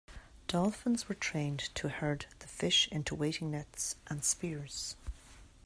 Dolphins were trained to herd the fish into waiting nets and spears.